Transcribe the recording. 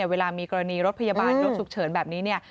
เวลามีกรณีรถพยาบาลรถสุขเฉินแบบนี้